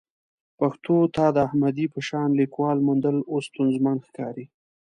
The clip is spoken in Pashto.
پښتو ته د احمدي په شان لیکوال موندل اوس ستونزمن ښکاري.